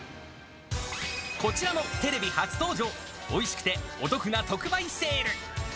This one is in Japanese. こちらもテレビ初登場、おいしくてお得な特売セール。